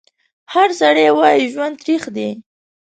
هر سړی وایي ژوند تریخ دی